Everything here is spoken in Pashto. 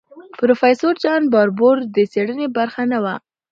پروفیسور جان باربور د څېړنې برخه نه وه.